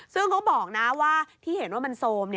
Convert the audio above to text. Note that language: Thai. ซึ่งเขาบอกนะว่าที่เห็นว่ามันโซม